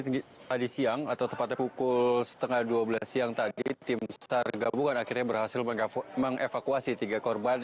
tadi siang atau tepatnya pukul setengah dua belas siang tadi tim sar gabungan akhirnya berhasil mengevakuasi tiga korban